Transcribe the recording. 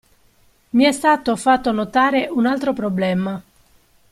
Mi è stato fatto notare un altro problema.